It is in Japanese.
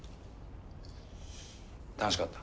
楽しかった？